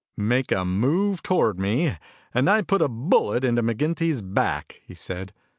"Make a move toward me, and I put a bullet into McGinty's back," he said.